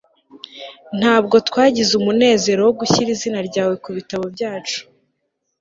Ntabwo twagize umunezero wo gushyira izina ryawe kubitabo byacu